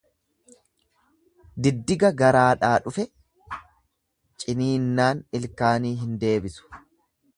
Diddiga garaadhaa dhufe ciniinnaan ilkaanii hin deebisu.